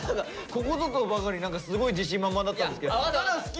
ここぞとばかりにすごい自信満々だったんですけど優斗